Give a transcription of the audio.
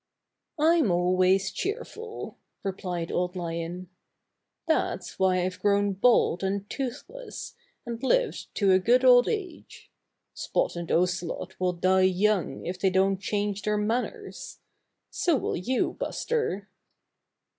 "I'm always cheerful," replied Old Lion. "That's why I've grown bald and toothless, and lived to a good old age. Spot and Ocelot will die young if they don't change their man ners. So will you, Buster."